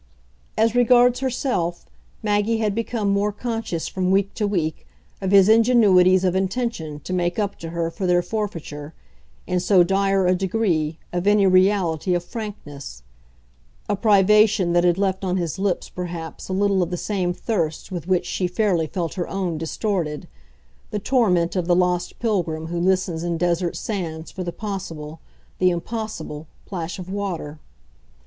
As regards herself Maggie had become more conscious from week to week of his ingenuities of intention to make up to her for their forfeiture, in so dire a degree, of any reality of frankness a privation that had left on his lips perhaps a little of the same thirst with which she fairly felt her own distorted, the torment of the lost pilgrim who listens in desert sands for the possible, the impossible, plash of water.